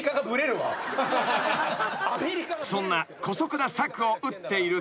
［そんな姑息な策を打っていると］